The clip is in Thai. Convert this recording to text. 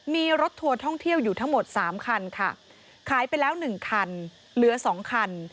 มีรถทัวร์ท่องเที่ยวอยู่ทั้งหมดสามคันค่ะขายไปแล้วหนึ่งคันเหลือสองคัน